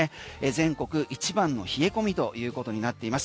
全国一番の冷え込みということになっています。